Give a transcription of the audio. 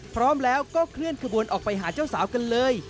พร้อมแล้วก็เคลื่อนขบวนออกไปหาเจ้าสาวกันเลย